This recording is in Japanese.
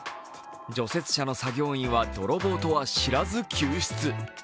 除雪車の作業員は泥棒とは知らず救出。